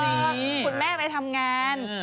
คุณแม่ไปทำงาน